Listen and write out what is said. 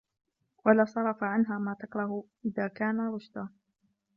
وَلَا صَرَفَ عَنْهَا مَا تَكْرَهُ إذَا كَانَ رُشْدًا